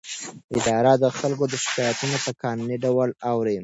اداره د خلکو شکایتونه په قانوني ډول اوري.